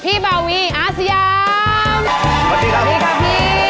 พี่บาวีอาชียาม